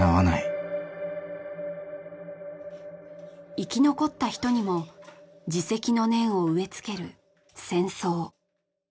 生き残った人にも自責の念を植え付ける戦争